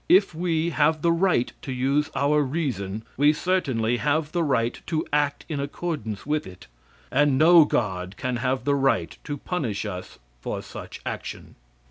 If we have the right to use our reason, we certainly have the right to act in accordance with it, and no god can have the right to punish us for such action.